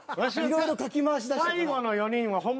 いろいろかき回しだしたから。